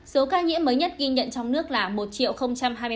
số ca nhiễm mới nhất ghi nhận trong nước là một hai mươi một bốn trăm chín mươi ba ca